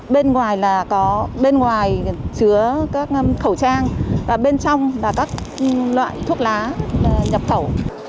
bên ngoài là có bên ngoài chứa các khẩu trang và bên trong là các loại thuốc lá nhập khẩu